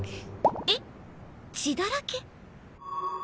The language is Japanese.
え！？血だらけ？